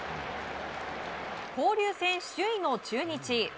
交流戦首位の中日。